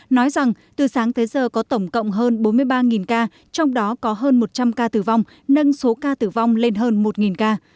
nói rằng từ sáng tới giờ có tổng cộng hơn bốn mươi ba ca trong đó có hơn một trăm linh ca tử vong nâng số ca tử vong lên hơn một ca